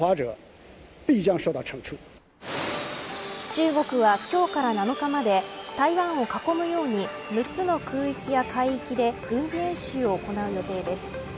中国は、今日から７日まで台湾を囲むように６つの空域や海域で軍事演習を行う予定です。